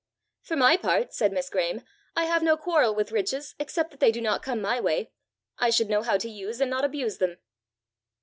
"For my part," said Miss Graeme, "I have no quarrel with riches except that they do not come my way. I should know how to use and not abuse them!"